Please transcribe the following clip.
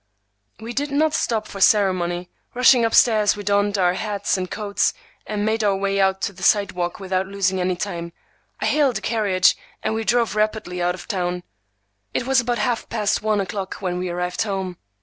We did not stop for ceremony. Rushing up stairs, we donned our hats and coats, and made our way out to the sidewalk without losing any time. I hailed a carriage, and we drove rapidly out of town. It was about half past one o'clock when we arrived home.